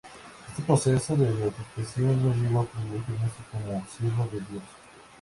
Este proceso de beatificación no llegó a concluir, quedándose como "Siervo de Dios".